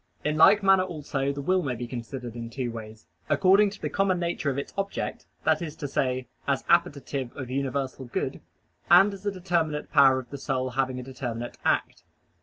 In like manner also the will may be considered in two ways: according to the common nature of its object that is to say, as appetitive of universal good and as a determinate power of the soul having a determinate act.